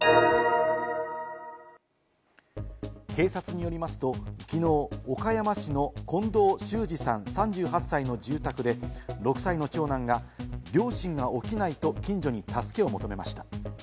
警察によりますと、きのう岡山市の近藤修二さん、３８歳の住宅で６歳の長男が、両親が起きないと近所に助けを求めました。